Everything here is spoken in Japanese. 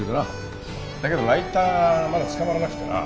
だけどライターまだつかまらなくてな。